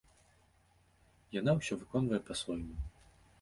Яна ўсё выконвае па-свойму.